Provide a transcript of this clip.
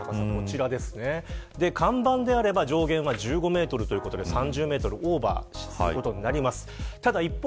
看板であれば上限は１５メートルということで３０メートルオーバーすることになります。